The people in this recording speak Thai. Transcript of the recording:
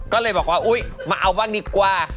ก็เลยบอกว่าอุ๊ยมาเอาบ้างดีกว่า